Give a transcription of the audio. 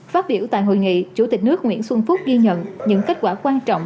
phát biểu tại hội nghị chủ tịch nước nguyễn xuân phúc ghi nhận những kết quả quan trọng